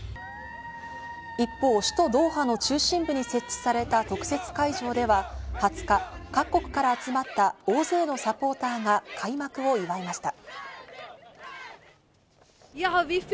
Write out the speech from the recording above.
一方、首都ドーハの中心部に設置された特設会場では２０日、各国から集まった大勢のサポーターが開幕を祝いました。